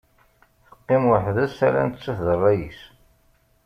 Teqqim weḥd-s ala nettat d rray-is.